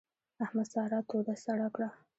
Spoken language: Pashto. احمد سارا توده سړه کړه.